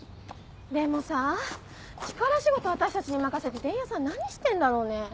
でもさぁ力仕事私たちに任せて伝弥さん何してんだろうね？